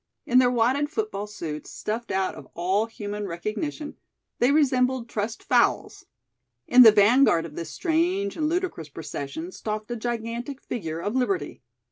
In their wadded football suits, stuffed out of all human recognition, they resembled trussed fowls. In the vanguard of this strange and ludicrous procession stalked a gigantic figure of Liberty.